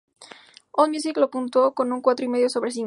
Allmusic lo puntuó con un cuatro y medio sobre cinco.